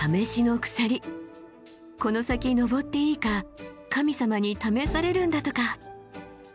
この先登っていいか神様に試されるんだとか。